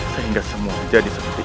sehingga semua menjadi seperti ini